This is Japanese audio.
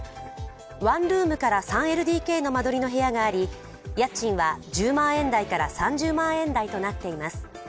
ワンルームから３ＬＤＫの間取りの部屋があり家賃は１０万円台から３０万円台となっています。